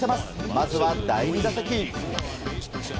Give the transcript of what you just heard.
まずは第２打席。